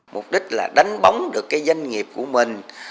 mục đích là đánh bóng được cái doanh nghiệp của mình